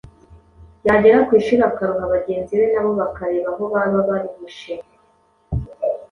yagera ku ishuri akaruha bagenzi be, na bo bakareba aho baba baruhishe.